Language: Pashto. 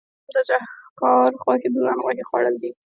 متل دی: د ښکار غوښې د ځان غوښې خوړل دي.